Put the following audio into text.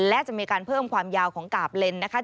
และจะมีการเพิ่มความยาวของกาบเลนนะคะ